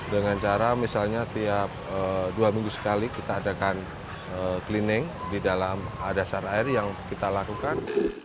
dengan cara misalnya tiap dua minggu sekali kita adakan cleaning di dalam dasar air yang kita lakukan